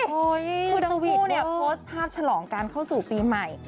คือดังวิทย์เนี่ยโพสต์ภาพฉลองการเข้าสู่ปีใหม่